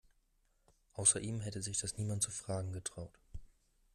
Außer ihm hätte sich das niemand zu fragen getraut.